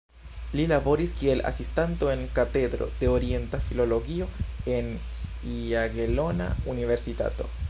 Li laboris kiel asistanto en Katedro de Orienta Filologio en Jagelona Universitato.